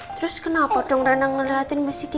terus kenapa dong rena ngeliatin miss kiki ya gini